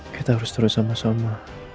kita harus terus sama sama